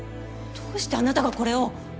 どうしてあなたがこれを？